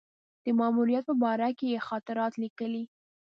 د ماموریت په باره کې یې خاطرات لیکلي.